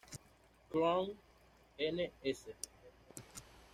Chron., n.s.